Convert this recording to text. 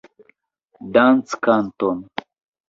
Danckanton!